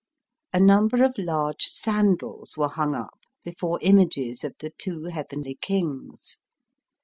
A number of large sandals were himg up before images of the Two Heavenly Kings.